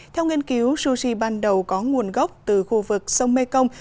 theo nghiên cứu sushi ban đầu có nguồn gốc từ khu vực sông mekong